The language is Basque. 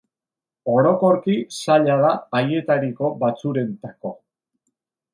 Orokorki zaila da haietariko batzurentako.